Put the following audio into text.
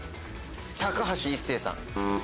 高橋一生さん。